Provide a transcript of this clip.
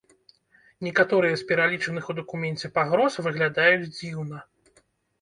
Некаторыя з пералічаных у дакуменце пагроз выглядаюць дзіўна.